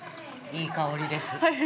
いい香りです。